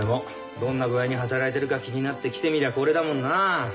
どんな具合に働いてるか気になって来てみりゃこれだもんなあ。